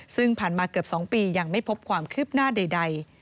ซึ่งผ่านมาเกือบ๒ปียังไม่พบความคืบหน้าใด